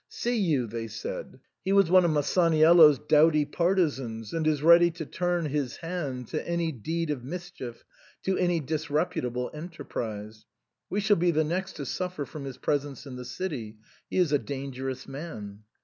" See you," they said, "he was one of Masaniello's doughty par tisans, and is ready to turn his hand to any deed of mischief, to any disreputable enterprise ; we shall be the next to suffer from his presence in the city ; he is a dangerous man."